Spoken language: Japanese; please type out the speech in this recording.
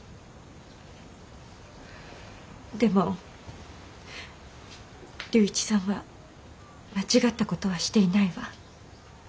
でも龍一さんは間違った事はしていないわ。